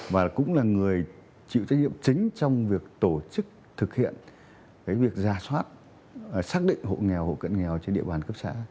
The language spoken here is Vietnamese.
và cũng là người chịu trách nhiệm chính trong việc tổ chức thực hiện việc giả soát xác định hộ nghèo hộ cận nghèo trên địa bàn cấp xã